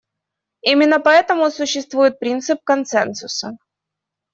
Именно поэтому существует принцип консенсуса.